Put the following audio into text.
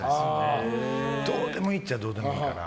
どうでもいいっちゃどうでもいいから。